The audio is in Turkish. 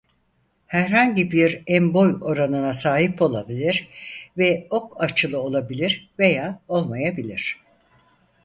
Herhangi bir en-boy oranına sahip olabilir ve ok açılı olabilir veya olmayabilir.